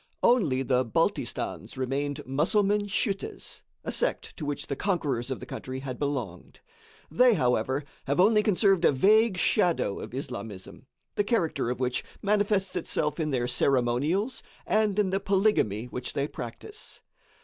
Only the Baltistans remained Musselman schüttes a sect to which the conquerors of the country had belonged. They, however, have only conserved a vague shadow of Islamism, the character of which manifests itself in their ceremonials and in the polygamy which they practice.